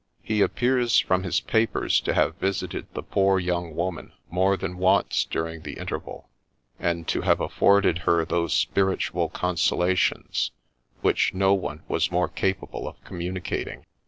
He appears, from his papers, to have visited the poor young woman more than once during the interval, and to have afforded her those spiritual consola tions which no one was more capable of communicating.